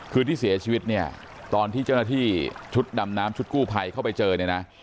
คือที่เสียชีวิตเนี่ยตอนที่เจ้าหน้าที่ชุดดำน้ำชุดกู้ภัยเข้าไปเจอเนี่ยนะ